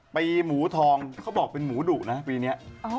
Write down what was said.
ไปหมูทองเค้าบอกว่าเป็นหมูดุนะปีนี้